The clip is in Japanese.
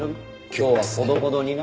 今日はほどほどにな。